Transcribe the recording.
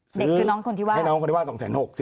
เด็กคือน้องคนที่ว่าให้น้องคนที่ว่า๒๖๐๐